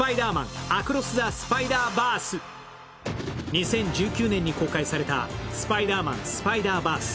２０１９年に公開された「スパイダーマン：スパイダーバース」。